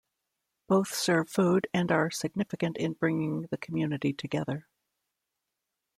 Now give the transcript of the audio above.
Both serve food and are significant in bringing the community together.